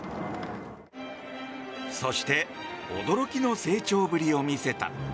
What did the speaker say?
そして驚きの成長ぶりを見せた。